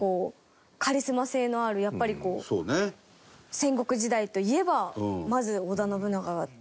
戦国時代といえばまず織田信長が出て。